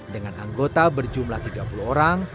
dengan anggota berjumlah tiga puluh orang